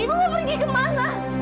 ibu mau pergi kemana